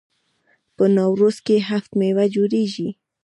په نوروز کې هفت میوه جوړیږي.